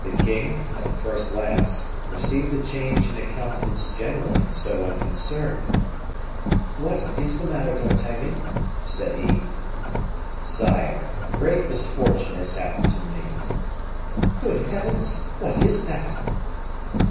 The king, at the first glance, perceived the change in a countenance generally so unconcerned. "What is the matter, D'Artagnan?" said he. "Sire, a great misfortune has happened to me." "Good heavens! what is that?"